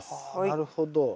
なるほど。